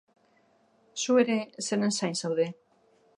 Zu ere zeren zain zaude?